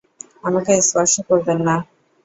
আমাকে স্পর্শ করবেন না।